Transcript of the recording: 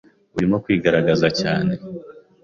Urimo kwigaragaza cyane.